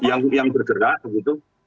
yang bergerak begitu